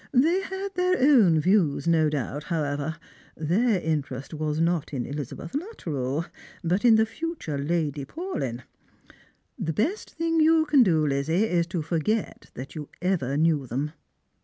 They had their own views, no doubt, however. Their interest was not in Ehzabeth Luttrell, but in the future Lady Paulyn. The best thing you can do, Lizzie, is to forget that you ever knew them."